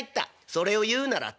「それを言うならたいだ」。